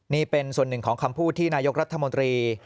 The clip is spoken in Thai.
นี่เป็นส่วนหนึ่งของคำพูดที่นายกรัฐมนตรี